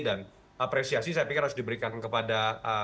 dan apresiasi saya pikir harus diberikan kepada